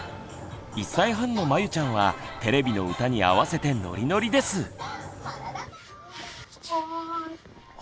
１歳半のまゆちゃんはテレビの歌に合わせてノリノリです！